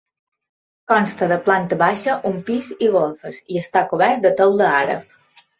Consta de planta baixa, un pis i golfes i està cobert de teula àrab.